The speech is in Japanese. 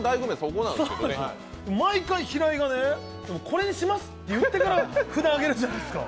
毎回、平井がこれにしますって言ってから札を上げるでしょ。